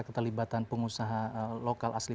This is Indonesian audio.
keterlibatan pengusaha lokal asli